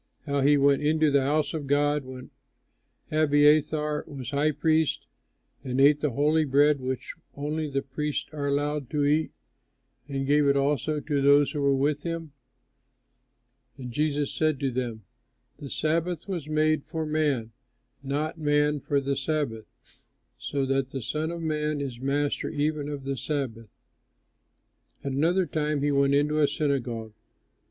how he went into the house of God, when Abiathar was high priest, and ate the holy bread which only the priests are allowed to eat, and gave it also to those who were with him?" And Jesus said to them, "The Sabbath was made for man, and not man for the Sabbath; so that the Son of Man is master even of the Sabbath." At another time he went into a synagogue.